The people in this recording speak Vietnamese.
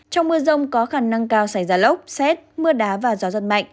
trong mưa rông có khả năng cao xảy ra lốc xét mưa đá và gió giật mạnh